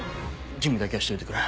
準備だけはしといてくれ。